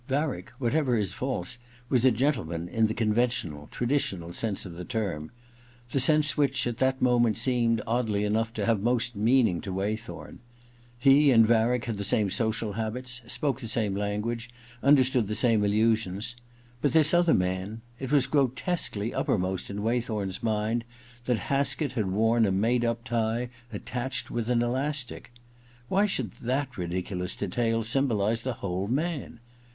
Varick, whatever his faults, was a gentleman, in the conventional, traditional sense of the term : the sense which at that moment seemed, oddly enough, to have most meaning to Waythorn. He and Varick had the same social habits, spoke the same language, imder 6o THE OTHER TWO iii stood the same allusions. But this other man ... it was grotesquely uppermost in Way thorn's mind that Haskett had worn SLjnzdc^^^ tie attached with an elastic. Why should that ridiculous detail symboHze the whole man